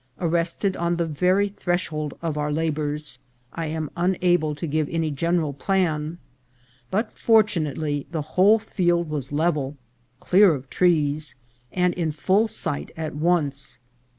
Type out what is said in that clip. Arrested on the very threshold of our labours, I am un able to give any general plan ; but, fortunately, the whole field was level, clear of trees, and in full sight at once.